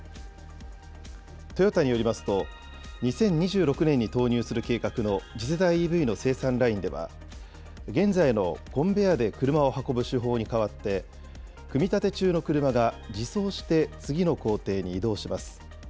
トヨタによりますと、２０２６年に投入する計画の次世代ＥＶの生産ラインでは、現在のコンベアで車を運ぶ手法に代わって、組み立て中の車が自走して次の工程に移動します。